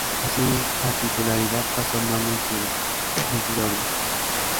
Así, la titularidad pasó a manos de Migliore.